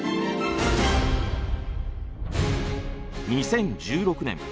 ２０１６年